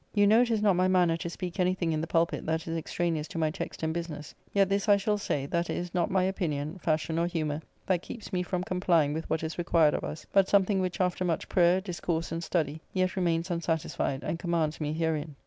You know it is not my manner to speak any thing in the pulpit that is extraneous to my text and business; yet this I shall say, that it is not my opinion, fashion, or humour that keeps me from complying with what is required of us; but something which, after much prayer, discourse, and study yet remains unsatisfied, and commands me herein.